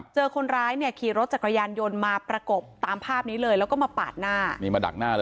เจอคนร้ายขี่รถจักรยานยนต์มาประกบตามภาพนี้เลยแล้วก็มาปาดหน้า